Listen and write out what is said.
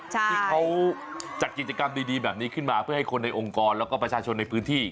ที่เขาจัดกิจกรรมดีแบบนี้ขึ้นมาเพื่อให้คนในองค์กรแล้วก็ประชาชนในพื้นที่